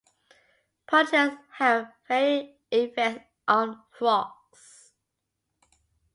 Pollutants have varying effects on frogs.